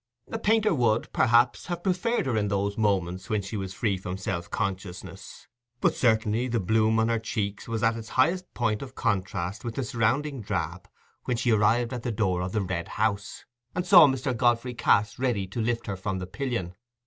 A painter would, perhaps, have preferred her in those moments when she was free from self consciousness; but certainly the bloom on her cheeks was at its highest point of contrast with the surrounding drab when she arrived at the door of the Red House, and saw Mr. Godfrey Cass ready to lift her from the pillion.